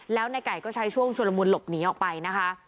แล้วในไก่ก็ใช้ช่วงชุลมุนหลบหนีออกไปนะคะ